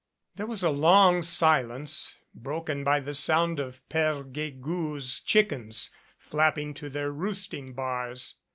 There was a long silence, broken by the sound of Pere Guegou's chickens flapping to their roosting bars.